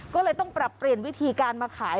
ก็เลยต้องปรับเปลี่ยนวิธีการมาขาย